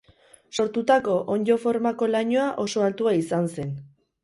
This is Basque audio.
Sortutako onddo formako lainoa oso altua izan zen.